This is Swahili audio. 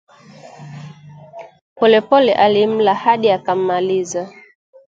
Polepole alimla hadi akammaliza